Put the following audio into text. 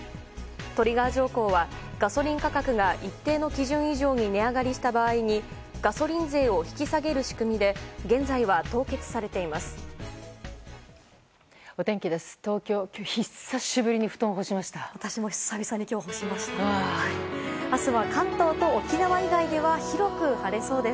トリガー条項はガソリン価格が一定の基準以上に値上がりした場合にガソリン税を引き下げる仕組みで現在は凍結されています。